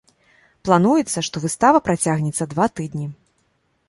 Плануецца, што выстава працягнецца два тыдні.